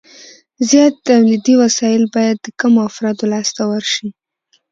زیات تولیدي وسایل باید د کمو افرادو لاس ته ورشي